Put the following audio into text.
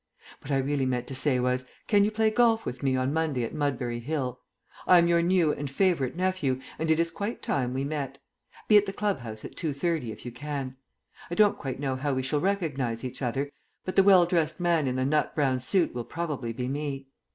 "What I really meant to say was, can you play golf with me on Monday at Mudbury Hill? I am your new and favourite nephew, and it is quite time we met. Be at the club house at 2.30, if you can. I don't quite know how we shall recognize each other, but the well dressed man in the nut brown suit will probably be me.